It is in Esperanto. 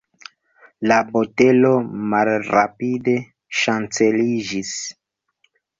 La botelo malrapide ŝanceliĝis.